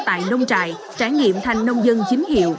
tại nông trại trải nghiệm thành nông dân chính hiệu